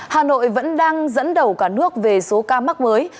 hà nội vẫn đang dẫn đầu cả nước về số ca mắc mới